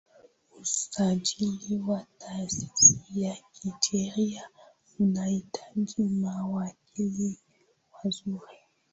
usajili wa taasisi ya kisheria unahitaji mawakili wazuri